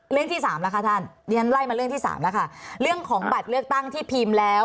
เรื่องที่สามแล้วค่ะท่านดิฉันไล่มาเรื่องที่สามแล้วค่ะเรื่องของบัตรเลือกตั้งที่พิมพ์แล้ว